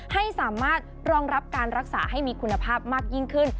ให้สามารถรองรับการรักษาให้มีคุณภาพมากยิ่งขึ้น